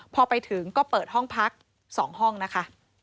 พอไปถึงก็เปิดห้องพัก๒ห้องนะคะ